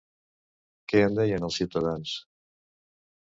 Què en deien els ciutadans?